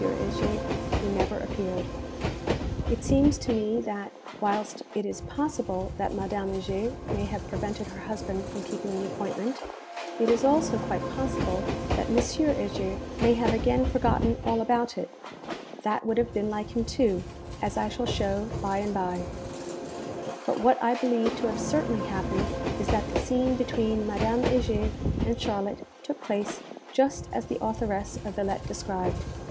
HEGER AT SIXTY (He was born in 1809: hence thirty four, in 1843, when Charlotte bade him farewell)] It seems to me that, whilst it is possible that Madame Heger may have prevented her husband from keeping the appointment, it is also quite possible that M. Heger may have again forgotten all about it? That would have been like him too, as I shall show by and by. But what I believe to have _certainly happened is that the scene between Madame Heger and Charlotte took place just as the authoress of 'Villette' described_.